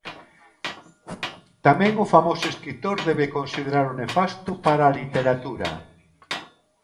Tamén o famoso escritor debe consideralo nefasto para a literatura.